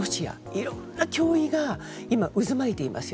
いろいろな脅威が今、渦巻いています。